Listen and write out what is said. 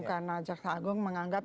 karena jaksa agung menganggap